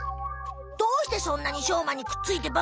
どうしてそんなにしょうまにくっついてばかりいるの？